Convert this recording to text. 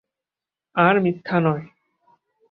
আর মিথ্যা নয়।